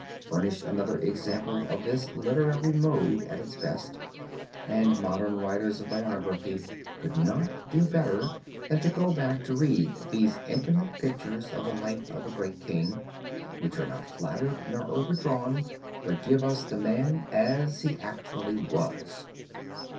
furnish another example of this literary mode at its best, and modern writers of biography could not do better than go back to read these intimate pictures of the life of a great king, which are not flattered nor overdrawn but give us the man as he actually was.